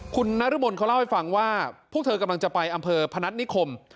คุณนรมนเขาเล่าให้ฟังว่าพวกเธอกำลังจะไปอำเภอพนัฐนิคม